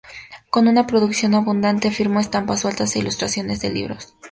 Con una producción abundante, firmó estampas sueltas e ilustraciones de libros.